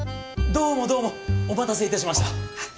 どうもどうもお待たせいたしました。